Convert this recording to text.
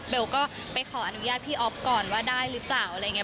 ก็ไปขออนุญาตพี่อ๊อฟก่อนว่าได้หรือเปล่าอะไรอย่างนี้